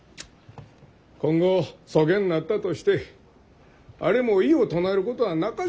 今後そげんなったとしてあれも異を唱えることはなかじゃろう。